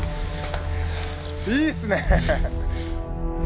いいっすね！